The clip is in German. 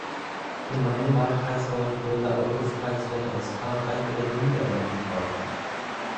In meinem Wahlkreis wollen die Bürger Autos preiswerter aus Frankreich oder den Niederlanden kaufen.